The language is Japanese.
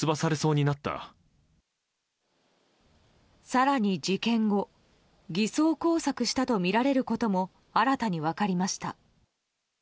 更に事件後偽装工作したとみられることも新たに分かりました。